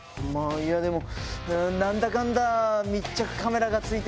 でも何だかんだ。